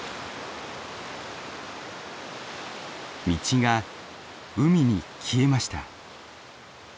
道が海に消えました。